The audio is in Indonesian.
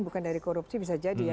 bukan dari korupsi bisa jadi ya